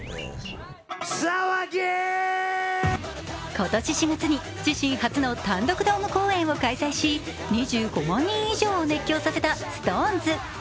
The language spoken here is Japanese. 今年４月に自身初の単独ドーム公演を開催し、２５万人以上を熱狂させたＳｉｘＴＯＮＥＳ。